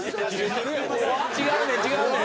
違うねん違うねん。